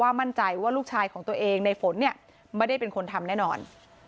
มั่นใจว่าลูกชายของตัวเองในฝนเนี่ยไม่ได้เป็นคนทำแน่นอน